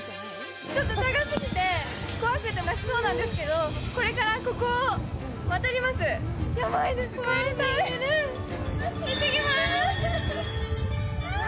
ちょっと高すぎて怖くて泣きそうなんですけどこれからここを渡ります。